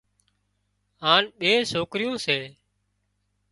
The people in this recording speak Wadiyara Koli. هانَ ٻي سوڪريون سي